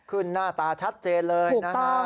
ขึ้นหน้าตาชัดเจนเลยนะคะ